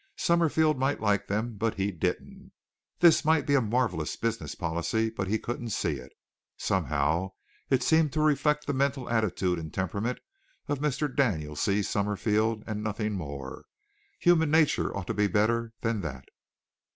Summerfield might like them, but he didn't. This might be a marvellous business policy, but he couldn't see it. Somehow it seemed to reflect the mental attitude and temperament of Mr. Daniel C. Summerfield and nothing more. Human nature ought to be better than that.